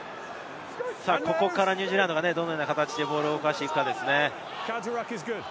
ここからニュージーランドが、どのような形でボールを動かしていくのかですね。